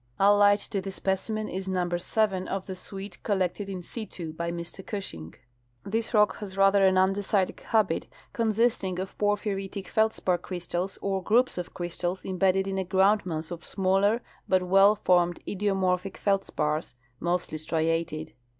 Allied to this specimen is number 7'' of the suite collected in situ by Mr Cushing. This rock has rather an andesitic habit, consisting of porphyritic feldspar crys tals or groups of crystals imbedded in a groundmass of smaller, but well formed idiomorphic feldspars, niostl}^ striated.